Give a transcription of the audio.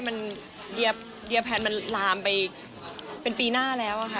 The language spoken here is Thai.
มันเดียแพลนมันลามไปเป็นปีหน้าแล้วอะค่ะ